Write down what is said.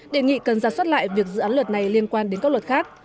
đề nghị cần ra soát lại việc dự án luật này liên quan đến các luật khác